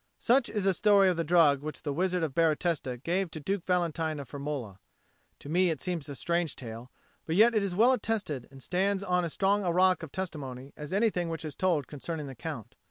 Such is the story of the drug which the Wizard of Baratesta gave to Duke Valentine of Firmola. To me it seems a strange tale, but yet it is well attested and stands on as strong a rock of testimony as anything which is told concerning the Count.